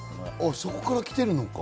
そこからきているのか。